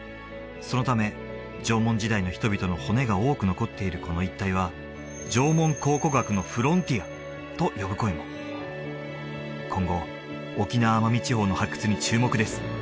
そのため縄文時代の人々の骨が多く残っているこの一帯はと呼ぶ声も今後沖縄奄美地方の発掘に注目です